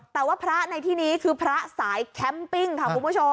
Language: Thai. แต่ว่าพระในที่นี้คือพระสายแคมปิ้งค่ะคุณผู้ชม